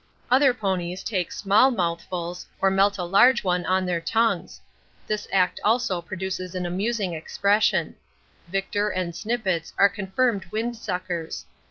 Other ponies take small mouthfuls or melt a large one on their tongues this act also produces an amusing expression. Victor and Snippets are confirmed wind suckers.